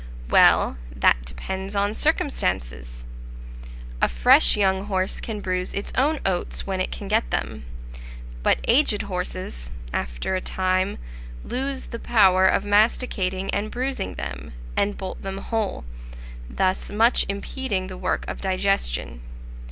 Well, that depends on circumstances: a fresh young horse can bruise its own oats when it can get them; but aged horses, after a time, lose the power of masticating and bruising them, and bolt them whole; thus much impeding the work of digestion.